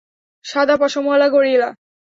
সাদা পশমওয়ালা গরিলা!